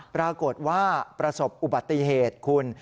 ปรากฏว่าประสบอุบัติเหตุคุณ